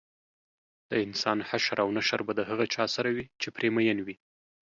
دانسان حشر او نشر به د هغه چا سره وي چې پرې مین وي